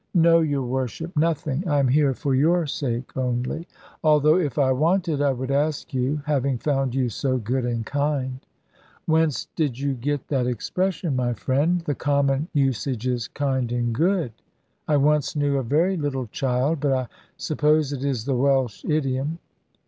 "No, your Worship, nothing. I am here for your sake only; although if I wanted, I would ask you, having found you so good and kind." "Whence did you get that expression, my friend? The common usage is 'kind and good;' I once knew a very little child but I suppose it is the Welsh idiom."